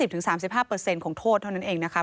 ๓๐ถึง๓๕เปอร์เซ็นต์ของโทษเท่านั้นเองนะคะ